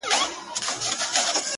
چي چي د زړه په دروازې راته راوبهيدې”